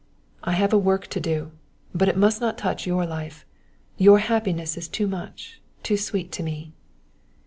"I have a work to do! But it must not touch your life. Your happiness is too much, too sweet to me."